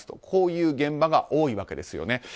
こういう現場が多いわけです。